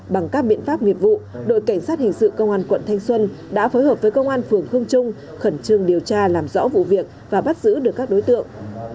bằng các biện pháp nghiệp vụ đội cảnh sát hình sự công an quận thanh xuân đã phối hợp với công an phường khương trung khẩn trương điều tra làm rõ vụ việc và bắt giữ được các đối tượng